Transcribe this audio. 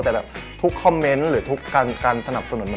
แต่แบบทุกคอมเมนต์หรือทุกการสนับสนุน